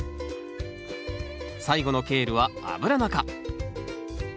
最後のケールはアブラナ科。